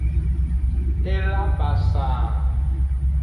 E la basaa.